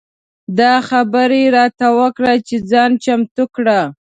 دا خبره یې راته وکړه چې ځان چمتو کړه.